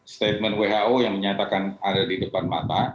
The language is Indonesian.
statement who yang menyatakan ada di depan mata